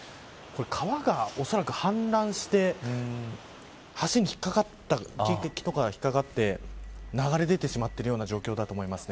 川がおそらく氾濫して橋に引っかかって流れ出てしまっているような状況だと思います。